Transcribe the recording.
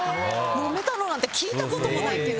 もめたのなんて聞いたこともないけど。